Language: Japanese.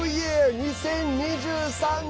２０２３年！